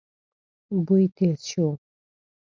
بوی تېز شو.